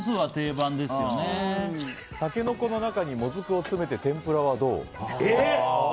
タケノコの中にもずくを詰めて天ぷらはどう？